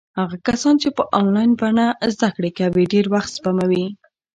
هغه کسان چې په انلاین بڼه زده کړې کوي ډېر وخت سپموي.